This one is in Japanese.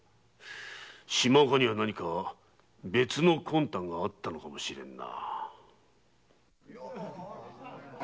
島岡には何か別の魂胆があったのかもしれぬな。